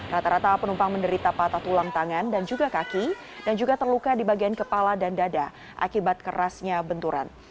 rata rata penumpang menderita patah tulang tangan dan juga kaki dan juga terluka di bagian kepala dan dada akibat kerasnya benturan